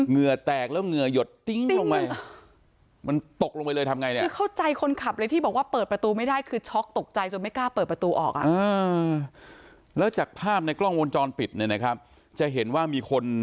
เหงื่อแตกแล้วเหงื่อหยดติ๊งลงไป